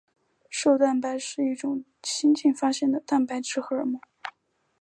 瘦蛋白是一种新近发现的蛋白质荷尔蒙。